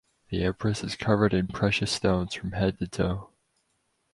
The Empress is covered in precious stones from head to toe.